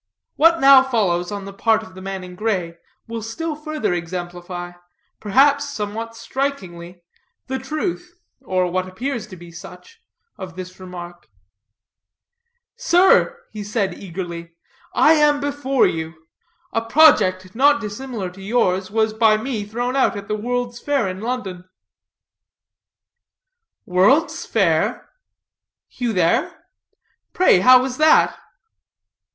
What now follows on the part of the man in gray will still further exemplify, perhaps somewhat strikingly, the truth, or what appears to be such, of this remark. "Sir," said he eagerly, "I am before you. A project, not dissimilar to yours, was by me thrown out at the World's Fair in London." "World's Fair? You there? Pray how was that?"